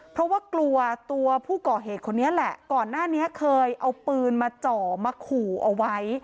เพราะว่ากลัวตัวผู้ก่อเหตุคนนี้แหละก่อนหน้านี้เคยเอาปืนมาจ่อมาขู่เอาไว้